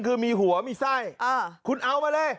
คือมีหัวมีปลาคุณเอามั้นเลย